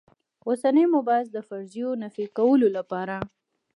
د اوسني مبحث د فرضیو نفي کولو لپاره.